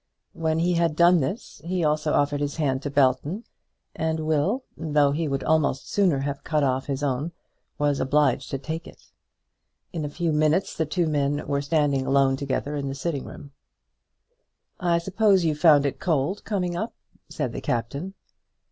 When he had done this, he also offered his hand to Belton; and Will, though he would almost sooner have cut off his own, was obliged to take it. In a few minutes the two men were standing alone together in the sitting room. "I suppose you found it cold coming up?" said the captain.